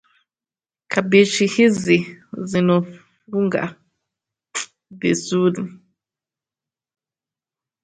Kabichi hizi zinazofunga vizuri.